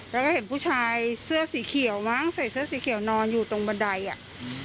แล้วก็เห็นผู้ชายเสื้อสีเขียวมั้งใส่เสื้อสีเขียวนอนอยู่ตรงบันไดอ่ะอืม